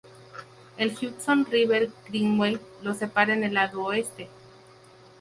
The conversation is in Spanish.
El Hudson River Greenway los separa en el lado oeste.